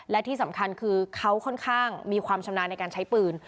และที่สำคัญคือเขาค่อนข้างมีความชำนาญในการใช้ปืน